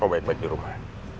oh baik baik di rumah